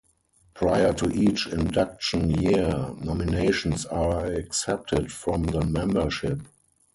Prior to each induction year, nominations are accepted from the membership.